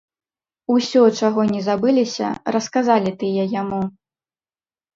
Усё, чаго не забыліся, расказалі тыя яму.